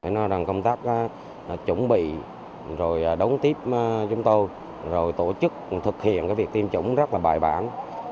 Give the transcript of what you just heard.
nói rằng công tác chuẩn bị đống tiếp chúng tôi tổ chức thực hiện việc tiêm chủng rất bài bản